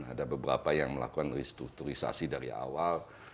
ada beberapa yang melakukan restrukturisasi dari awal